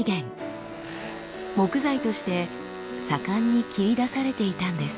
木材として盛んに切り出されていたんです。